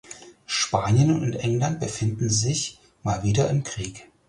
Spanien und England befinden sich mal wieder im Krieg.